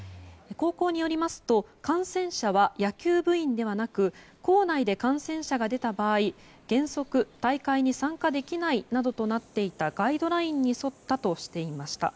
高校によりますと感染者は野球部員ではなく校内で感染者が出た場合原則、大会に参加できないなどとなっていたガイドラインに沿ったとしていました。